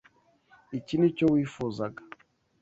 Iki nicyo wifuzaga.